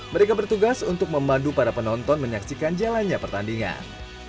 mereka bertugas untuk memandu para penonton menyaksikan jalannya pertandingan